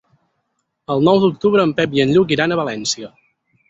El nou d'octubre en Pep i en Lluc iran a València.